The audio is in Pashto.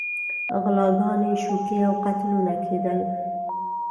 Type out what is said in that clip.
غلاګانې، شوکې او قتلونه کېدل.